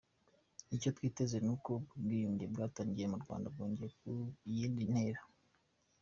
Icyo twiteze ni uko ubwo bwiyunge bwatangiye mu Rwanda bwagera ku yindi ntera.